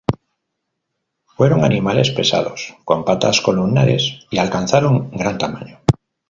Fueron animales pesados con patas columnares y alcanzaron gran tamaño.